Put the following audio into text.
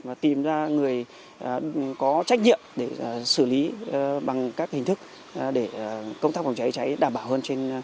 và tìm ra người có trách nhiệm để xử lý bằng các hình thức để công tác phòng trái trái đảm bảo